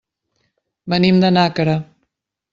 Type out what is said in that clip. Venim de Nàquera.